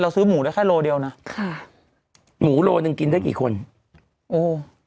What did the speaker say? ซื้อหมูได้แค่โลเดียวน่ะค่ะหมูโลหนึ่งกินได้กี่คนโอ้